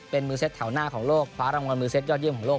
เป็นมือเซ็ตแถวหน้าของโลกคว้ารางวัลมือเซ็ตยอดเยี่ยมของโลก